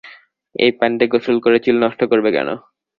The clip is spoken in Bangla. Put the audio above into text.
এই পানিতে গোসল করে চুল নষ্ট করবে কেন?